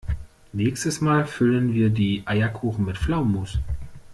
Nächstes Mal füllen wir die Eierkuchen mit Pflaumenmus.